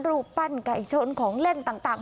รูปปั้นไก่ชนของเล่นต่าง